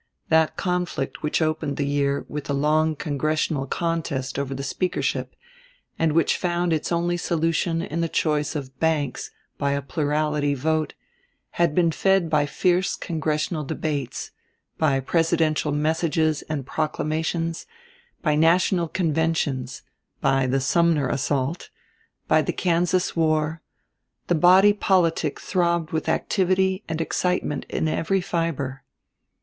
That conflict which opened the year with the long congressional contest over the speakership, and which found its only solution in the choice of Banks by a plurality vote, had been fed by fierce congressional debates, by presidential messages and proclamations, by national conventions, by the Sumner assault, by the Kansas war; the body politic throbbed with activity and excitement in every fiber.